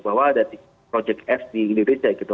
bahwa ada project s di indonesia gitu